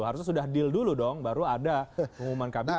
harusnya sudah deal dulu dong baru ada pengumuman kabinet